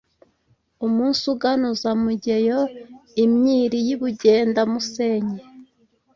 Umunsi uganuza Mugeyo Imyiri y’i Bugenda musenyi